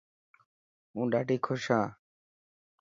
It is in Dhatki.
هون ڏاڌي خوش هان.